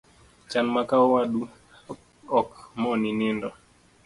Chan ma ka owadu ok moni nindo